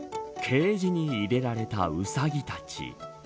ケージに入れられたウサギたち。